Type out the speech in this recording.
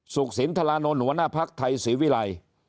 สุขสินทรานนท์หัวหน้าพักไทยสิวิรัย